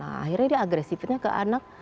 akhirnya dia agresifnya ke anak